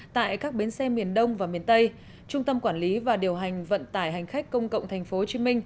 tại các bến xe miền đông và miền tây trung tâm quản lý và điều hành vận tải hành khách công cộng tp hcm